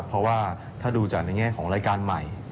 เพราะว่าถ้าดูจากในแง่ของรายการใหม่